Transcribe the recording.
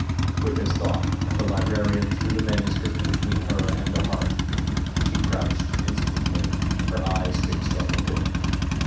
Quick as thought the librarian threw the manuscript between her and the hearth. She crouched instantly, her eyes fixed on the book.